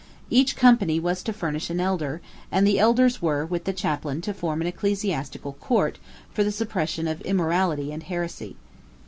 Each company was to furnish an elder; and the elders were, with the chaplain, to form an ecclesiastical court for the suppression of immorality and heresy.